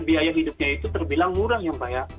biaya hidupnya itu terbilang murah yang banyak